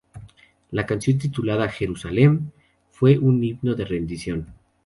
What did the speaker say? La canción, titulada "Jerusalem", fue un himno de rendición.